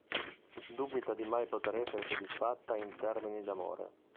Dubita di mai poter essere soddisfatta in termini d'amore.